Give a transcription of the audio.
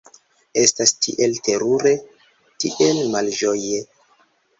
Estas tiel terure, tiel malĝoje!